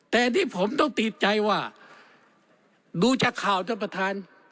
แต่ที่ผมต้องติดใจว่าดูจากข่าวท่านประธาน